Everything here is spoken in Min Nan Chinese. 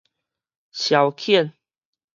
消遣